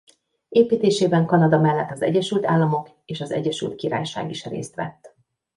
Építésében Kanada mellett az Egyesült Államok és az Egyesült Királyság is részt vett.